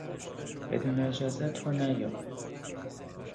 بدون اجازه تو نیا!